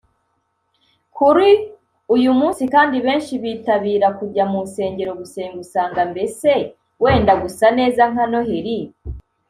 Kuri uyu munsi kandi benshi bitabira kujya mu nsengero gusenga ; usanga mbese wenda gusa neza nka Noheli